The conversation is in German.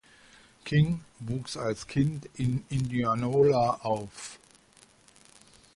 King wuchs als Kind in Indianola auf.